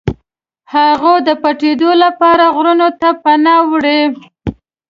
هغوی د پټېدلو لپاره غرونو ته پناه وړي.